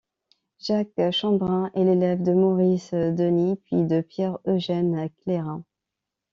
Jack Chambrin est l'élève de Maurice Denis, puis de Pierre-Eugène Clairin.